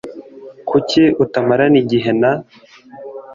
Kuki utamarana igihe na ?